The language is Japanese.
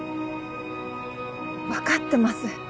わかってます。